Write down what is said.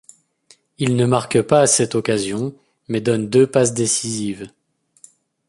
Il ne marque pas à cette occasion, mais donne deux passes décisives.